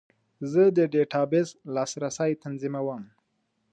زه د ډیټابیس لاسرسی تنظیموم.